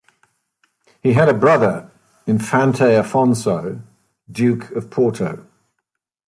He had a brother, Infante Afonso, Duke of Porto.